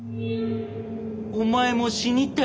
お前も死にたいか？